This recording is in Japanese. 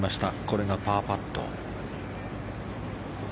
これがパーパット。